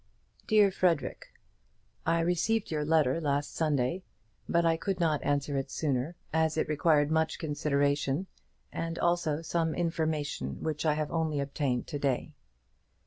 DEAR FREDERIC, I received your letter last Sunday, but I could not answer it sooner, as it required much consideration, and also some information which I have only obtained to day.